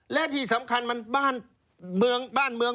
และที่สำคัญมันบ้านเมือง